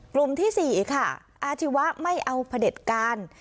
กลุ่มที่๔อาชีวะไม่เอาผลิตการ